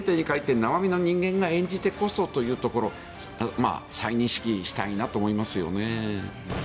原点に返って生身の人間が演じてこそというところを再認識したいなと思いますよね。